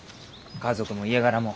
家族も家柄も。